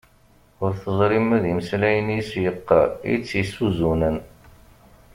Ur teẓri ma d imeslayen i as-yeqqar i tt-isuzunen.